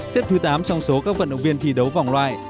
xếp thứ tám trong số các vận động viên thi đấu vòng loại